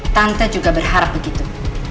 tante juga berharap begitu